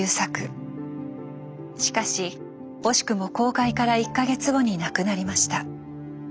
しかし惜しくも公開から１か月後に亡くなりました。